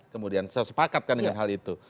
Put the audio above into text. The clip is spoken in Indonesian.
kemudian sesepakat dengan hal itu